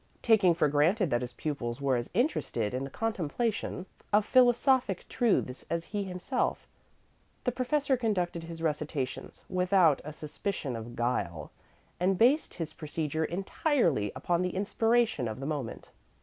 Taking it for granted that his pupils were as interested in the contemplation of philosophic truths as he himself, the professor conducted his recitations without a suspicion of guile, and based his procedure entirely upon the inspiration of the moment.